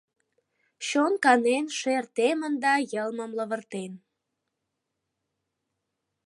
Чон канен, шер темын да йылмым лывыртен.